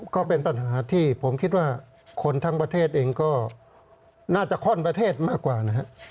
ก็เป็นปัญหาที่ผมคิดว่าคนทั้งประเทศเองก็น่าจะค่อนประเทศมากกว่านะครับ